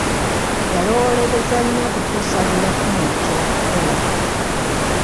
Yalowoolereza nnyo okutuusa lwe yafuna eky'okukola.